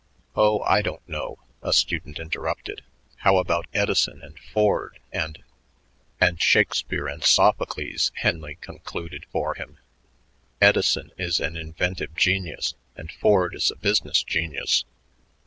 "Oh, I don't know," a student interrupted. "How about Edison and Ford and " "And Shakspere and Sophocles," Henley concluded for him. "Edison is an inventive genius, and Ford is a business genius.